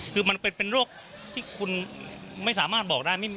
คือมันเป็นโรคที่คุณไม่สามารถบอกได้